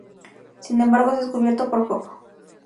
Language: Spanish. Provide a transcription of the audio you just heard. Sin embargo, es descubierto por Coco.